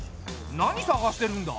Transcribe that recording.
何探してるんだ？